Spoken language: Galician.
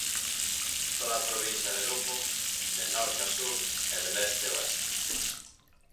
Toda a provincia de Lugo, de norte a sur e de leste a oeste.